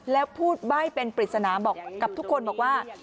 แล้วพูดใบ้เป็นปริศนาบอกกับทุกคนบอกว่า